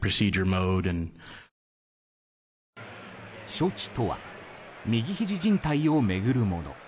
処置とは右ひじじん帯を巡るもの。